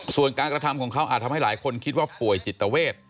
ส่วนการกระทำของเขาอาจทำให้หลายคนคิดว่าป่วยจิตเวท